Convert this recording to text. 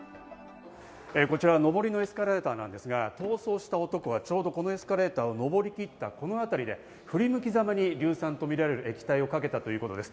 こちら上りのエスカレーターですが、逃走した男はちょうどこのエスカレーターを上りきったこのあたりで、振り向きざまに硫酸とみられる液体をかけたということです。